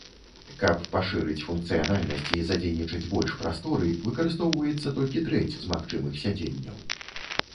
Каб пашырыць функцыянальнасць і задзейнічаць больш прасторы, выкарыстоўваецца толькі трэць з магчымых сядзенняў.